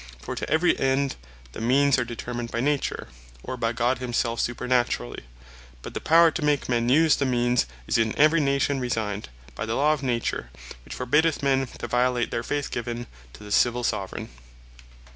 For to every End, the Means are determined by Nature, or by God himselfe supernaturally: but the Power to make men use the Means, is in every nation resigned (by the Law of Nature, which forbiddeth men to violate their Faith given) to the Civill Soveraign.